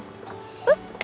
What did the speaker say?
えっ？